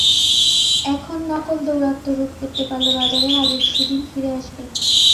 এখন নকলের দৌরাত্ম্য রোধ করতে পারলে বাজারে আগের সুদিন ফিরে আসবে।